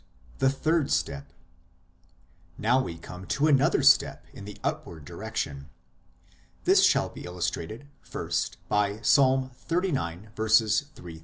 THE THIRD STEP Now we come to another step in the upward direction. This shall be illustrated first by Ps. xxxix. 3 7 (4 8 in Hebr.)